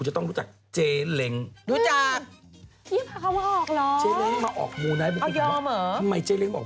เห็นอยู่กับมันมาตั้งแต่วันแรก